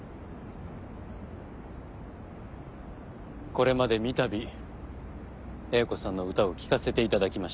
これまで三度英子さんの歌を聴かせていただきました。